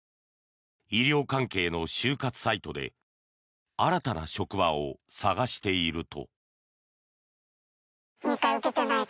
医療関係の就活サイトで新たな職場を探していると。